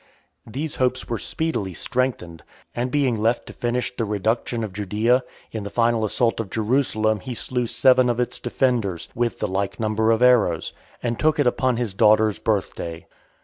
These hopes were speedily strengthened, and being left to finish the reduction of Judaea, in the final assault of Jerusalem, he slew seven of its defenders, with the like number of arrows, and took it upon his daughter's birth day .